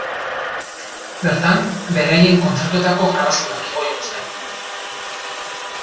Bertan, beraien kontzertuetako grabazioak igo dituzte.